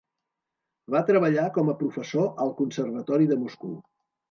Va treballar com a professor al Conservatori de Moscou.